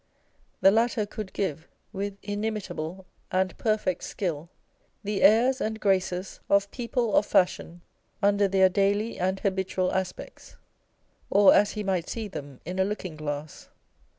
The latter could give, with inimitable and perfect skill, the airs and graces of people of fashion under their daily and habitual aspects, or as he might see them in a looking glass.